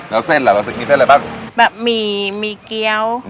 แล้วเส้นอะไรมีเส้นอะไรบ้าง